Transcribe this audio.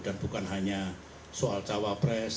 dan bukan hanya soal cawapres